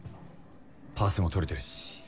パースも取れてるし。